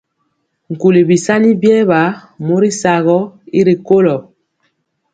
Nkuli bisani biɛɛba mori sagɔ y ri kolo.